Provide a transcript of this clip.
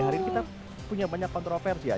hari ini kita punya banyak kontroversi ya